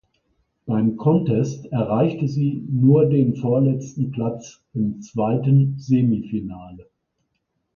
Beim Contest erreichte sie nur den vorletzten Platz im zweiten Semifinale.